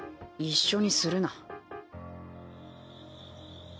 一緒にするな。